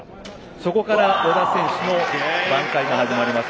そこから、小田選手の挽回が始まります。